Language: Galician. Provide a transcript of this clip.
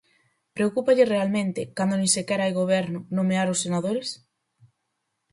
¿Preocúpalle realmente, cando nin sequera hai goberno, nomear os senadores?